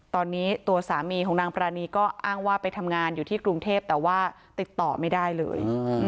ตอนนี้ตัวสามีของนางปรานีก็อ้างว่าไปทำงานอยู่ที่กรุงเทพแต่ว่าติดต่อไม่ได้เลย